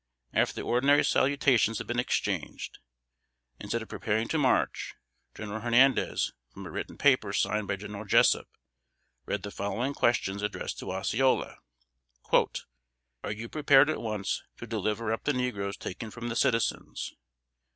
After the ordinary salutations had been exchanged, instead of preparing to march, General Hernandez, from a written paper signed by General Jessup, read the following questions addressed to Osceola: "Are you prepared at once to deliver up the negroes taken from the citizens?